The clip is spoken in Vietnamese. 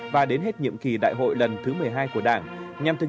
và đến hết nhiệm kỳ đại hội lần thứ một mươi hai của đảng